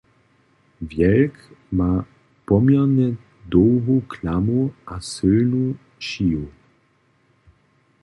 Wjelk ma poměrnje dołhu klamu a sylnu šiju.